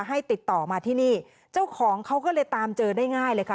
ให้ติดต่อมาที่นี่เจ้าของเขาก็เลยตามเจอได้ง่ายเลยค่ะ